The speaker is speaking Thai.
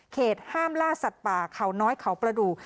ห้ามล่าสัตว์ป่าเขาน้อยเขาประดูก